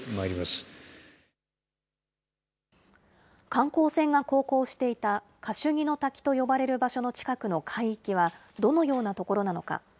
観光船が航行していたカシュニの滝と呼ばれる場所の近くの海域は、どのような所なのか。